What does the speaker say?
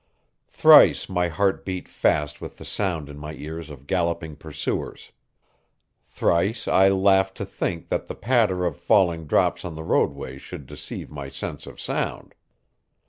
Thrice my heart beat fast with the sound in my ears of galloping pursuers. Thrice I laughed to think that the patter of falling drops on the roadway should deceive my sense of sound.